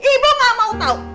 ibu gak mau tau